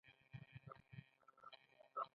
رس څښل بدن ته قوت ورکوي